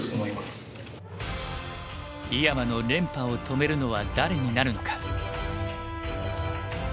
井山の連覇を止めるのは誰になるのか。